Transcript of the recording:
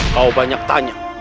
kau banyak tanya